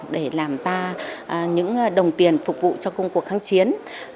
để làm ra những đồng tiền phục vụ cho công cuộc kháng chiến